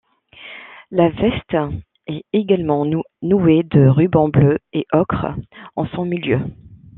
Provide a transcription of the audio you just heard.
La veste est également nouée de rubans bleus et ocre en son milieu.